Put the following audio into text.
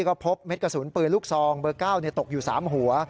ก็พบเม็ดกระสุนปืนลูกซองเบอร์๙ตกอยู่๓หัว